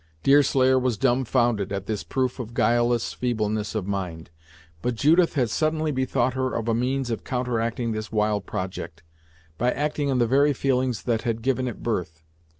Deerslayer was dumb founded at this proof of guileless feebleness of mind, but Judith had suddenly bethought her of a means of counteracting this wild project, by acting on the very feelings that had given it birth.